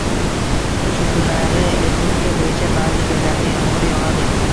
Shu kunlari respublika bo‘yicha ba’zi joylarda yomg‘ir yog‘adi